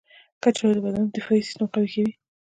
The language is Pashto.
کچالو د بدن دفاعي سیستم قوي کوي.